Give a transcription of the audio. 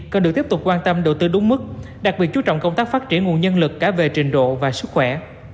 cần được tiếp tục quan tâm đầu tư đúng mức đặc biệt chú trọng công tác phát triển nguồn nhân lực cả về trình độ và sức khỏe